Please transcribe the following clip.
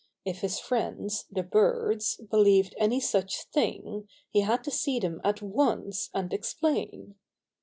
If his friends, the birds, believed any such thing, he had to see them at once, and explain.